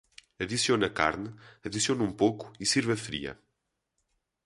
Adicione a carne, adicione um pouco e sirva fria.